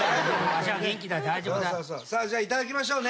さあじゃあいただきましょうね。